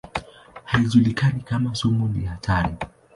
Haijulikani kama sumu ni hatari.